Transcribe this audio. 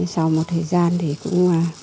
sau một thời gian thì cũng